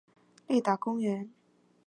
立达公园。